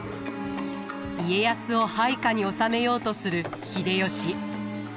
家康を配下に収めようとする秀吉。